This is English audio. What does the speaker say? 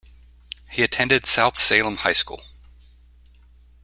He attended South Salem High School.